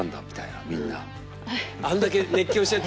あんだけ熱狂してた。